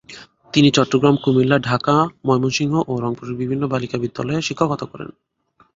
তিনি চট্টগ্রাম, কুমিল্লা, ঢাকা, ময়মনসিংহ ও রংপুরের বিভিন্ন বালিকা বিদ্যালয়ে শিক্ষকতা করেন।